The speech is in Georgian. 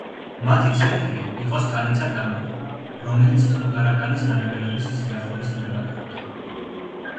მათი ცენტრი იყო სტანიცა ტამანი, რომელიც ტმუტარაკანის ნანგრევების სიახლოვეს მდებარეობდა.